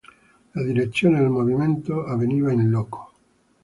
La direzione del movimento avveniva in loco.